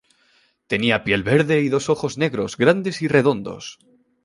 Tenía piel verde y dos ojos negros, grandes y redondos.